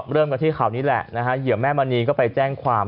เริ่มกันที่ข่าวนี้แหละนะฮะเหยื่อแม่มณีก็ไปแจ้งความ